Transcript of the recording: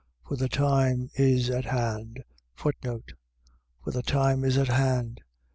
For the time is at hand. For the time is at hand. ..